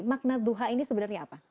makna duha ini sebenarnya apa